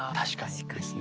そうですね。